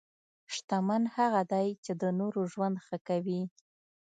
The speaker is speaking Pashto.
شتمن هغه دی چې د نورو ژوند ښه کوي.